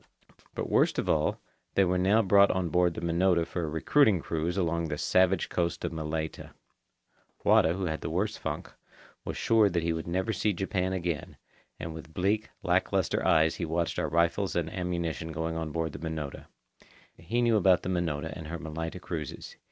But worst of all, they were now brought on board the Minota for a recruiting cruise along the savage coast of Malaita. Wada, who had the worse funk, was sure that he would never see Japan again, and with bleak, lack lustre eyes he watched our rifles and ammunition going on board the Minota. He knew about the Minota and her Malaita cruises.